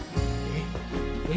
えっ？